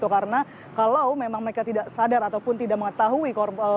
karena kalau memang mereka tidak sadar ataupun tidak mengetahui